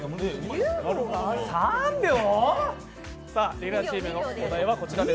レギュラーチームの問題はこちらです。